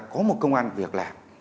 có một công an việc làm